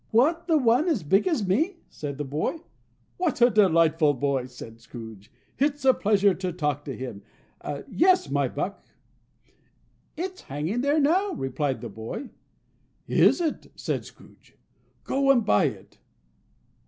"What, the one as big as me?" said the boy. "What a delightful boy!" said Scrooge. "It's a pleasure to talk to him. Yes, my buck!" "It's hanging there now," replied the boy. "Is it?" said Scrooge. "Go and buy it."